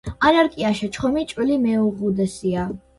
ანარკიაშა ჩხომი ჭვილი მეუღუდესია.